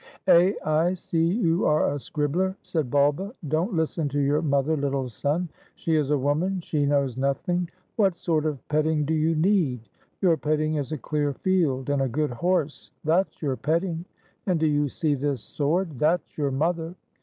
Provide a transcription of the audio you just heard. "Eh, I see you are a scribbler," said Bulba. "Don't listen to your mother, little son; she is a woman, she knows nothing. What sort of petting do you need? Your petting is a clear field and a good horse, that's your petting ! And do you see this sword? — that 's your mother!